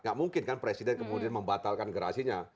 nggak mungkin kan presiden kemudian membatalkan gerasinya